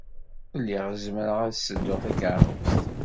Lliɣ zemreɣ ad sedduɣ takerrust.